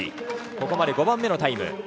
ここまで５番目のタイム。